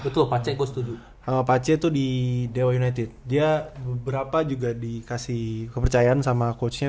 betul pacekustuduh apa c itu di dewa united dia beberapa juga dikasih kepercayaan sama coachnya